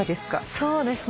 そうですね